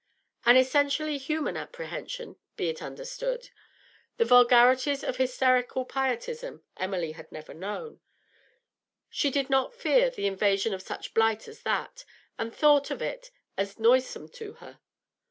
An essentially human apprehension, be it understood. The vulgarities of hysterical pietism Emily had never known; she did not fear the invasion of such blight as that; the thought of it was noisome to her.